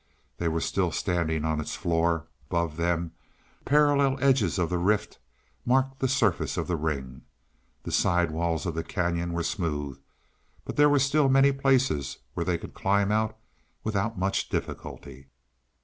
They were still standing on its floor; above them, the parallel edges of the rift marked the surface of the ring. The side walls of the cañon were smooth, but there were still many places where they could climb out without much difficulty.